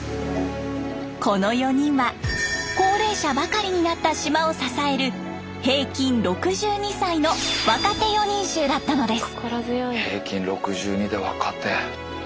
この４人は高齢者ばかりになった島を支える平均６２歳の若手四人衆だったのです。